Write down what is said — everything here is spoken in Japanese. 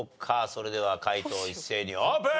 それでは解答一斉にオープン！